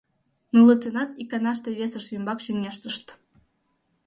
Нылытынат иканаште весыж ӱмбак чоҥештышт.